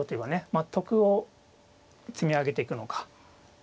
まあ得を積み上げていくのか。